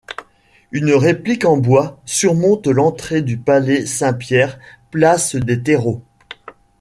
Une réplique en bois surmonte l'entrée du palais saint-Pierre, place des Terreaux.